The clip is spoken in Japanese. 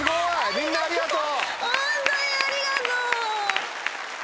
みんなありがとう！